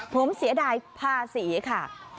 ผมเสียดายภาษีค่ะ